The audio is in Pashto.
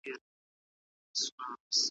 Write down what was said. زه وېرېدم له اشارو د ګاونډیانو څخه `